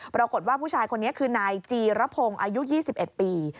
ปรากฏว่าผู้ชายคนนี้คือนายจีรพงศ์อายุ๒๑ปี